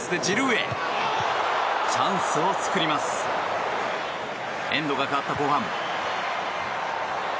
エンドが変わった後半。